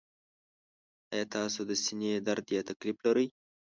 ایا تاسو د سینې درد یا تکلیف لرئ؟